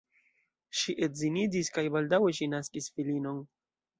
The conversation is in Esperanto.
Ŝi edziniĝis kaj baldaŭe ŝi naskis filinon.